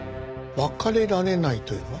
別れられないというのは？